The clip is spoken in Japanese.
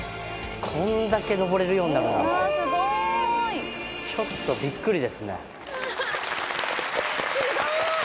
こんだけ上れるようになるなんてちょっとビックリですねすごい！